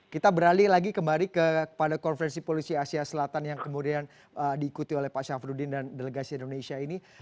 kita beralih lagi kembali kepada konferensi polisi asia selatan yang kemudian diikuti oleh pak syafruddin dan delegasi indonesia ini